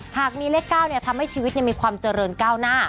หากมีเลข๙ทำให้ชีวิตมีความเจริญก้าวหน้า